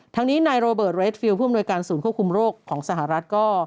ทั้งนี้นายโรเบิร์ตเรสฟิลผู้อำนวยการศูนย์ควบคุมโรคของสหรัฐก็